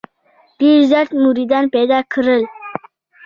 ډېر زیات مریدان پیدا کړل.